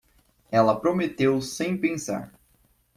Ela prometeu sem pensar